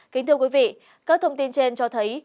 kính thưa quý vị các thông tin trên cho thấy